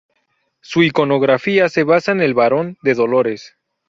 Su iconografía se basa en el Varón de dolores.